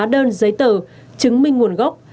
đơn giấy tờ chứng minh nguồn gốc